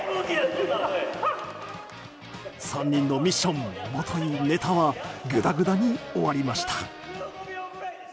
３人のミッションもといネタはグダグダに終わりました。